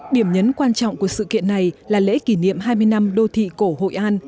điểm nhấn quan trọng của sự kiện này là lễ kỷ niệm hai mươi năm đô thị cổ hội an